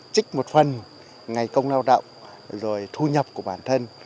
trích một phần ngày công lao động rồi thu nhập của bản thân